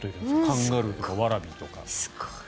カンガルーとかワラビーとか。